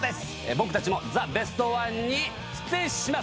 僕達も「ザ・ベストワン」に出演します